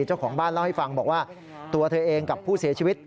เจ้าของบ้านเล่าให้ฟังบอกว่าตัวเธอเองกับผู้เสียชีวิต